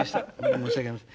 申し訳ありません。